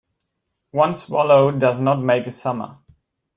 One swallow does not make a summer.